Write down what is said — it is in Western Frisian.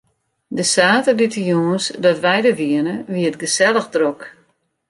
De saterdeitejûns dat wy der wiene, wie it gesellich drok.